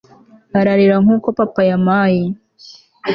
ararira nkuko papa yampaye